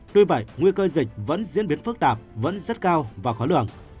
tuy vậy nguy cơ dịch vẫn diễn biến phức tạp vẫn rất cao và khó lường